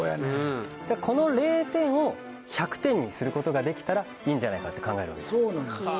この０点を１００点にすることができたらいいんじゃないかって考えるわけです。